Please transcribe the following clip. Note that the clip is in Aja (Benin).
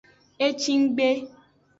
E ci nggbe.